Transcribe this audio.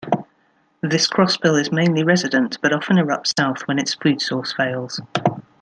This crossbill is mainly resident, but often irrupts south when its food source fails.